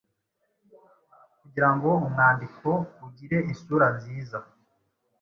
Kugira ngo umwandiko ugire isura nziza,